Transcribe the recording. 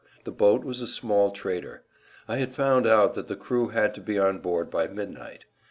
The boat was a small trader. I had found out that the crew had to be on board by midnight.